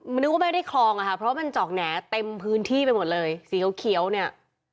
ไม่ได้คลองอ่ะค่ะเพราะว่ามันเจาะแหน่เต็มพื้นที่ไปหมดเลยสีเขาเขียวเนี่ย